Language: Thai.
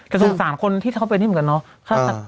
แต่สงสารคนที่เขาเป็นนี่เหมือนกันเนาะ